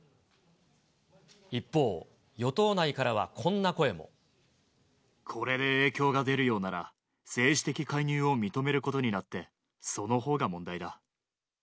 一方、与党内からはこんな声これで影響が出るようなら、政治的介入を認めることになって、そのほうが問題だ。